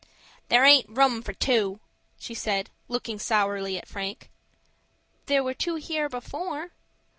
"There aint room for two," she said, looking sourly at Frank. "There were two here before."